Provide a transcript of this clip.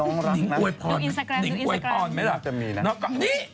ก็จะต้องไปดูหนึ่งดูดูอินสตาแกรมล้อก่อนนี้